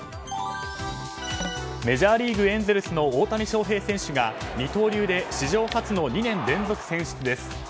メジャーリーグ、エンゼルスの大谷翔平選手が二刀流で史上初の２年連続選出です。